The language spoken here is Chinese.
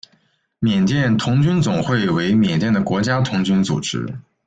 缅甸童军总会为缅甸的国家童军组织。